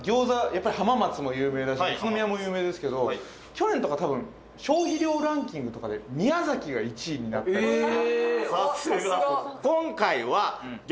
やっぱり浜松も有名だし宇都宮も有名ですけど去年とか多分消費量ランキングとかで宮崎が１位になったんですよ